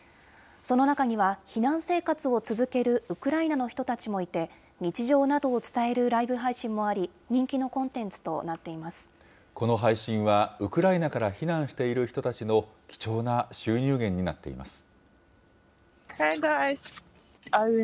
その中には、避難生活を続けるウクライナの人たちもいて、日常などを伝えるライブ配信もあり、人気のコンテンツとなっていこの配信は、ウクライナから避難している人たちの貴重な収入源になっています。